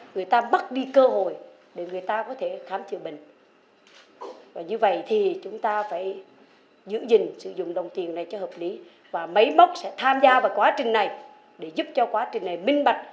nếu mà bảy mươi tỷ một năm